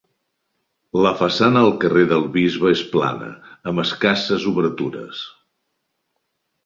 La façana al carrer del Bisbe és plana, amb escasses obertures.